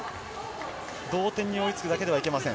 同点に追いつくだけではいけません。